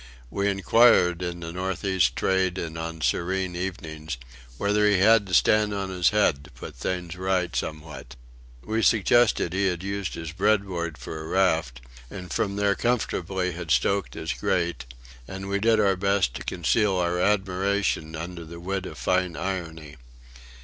We inquired, in the north east trade and on serene evenings, whether he had to stand on his head to put things right somewhat. We suggested he had used his bread board for a raft, and from there comfortably had stoked his grate; and we did our best to conceal our admiration under the wit of fine irony.